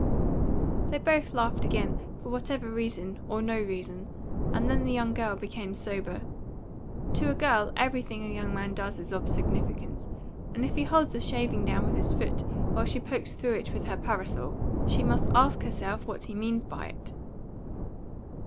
They both laughed again, for whatever reason or no reason, and then the young girl became sober. To a girl everything a young man does is of significance; and if he holds a shaving down with his foot while she pokes through it with her parasol, she must ask herself what he means by it.